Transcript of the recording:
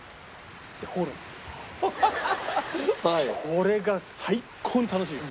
これが最高に楽しい。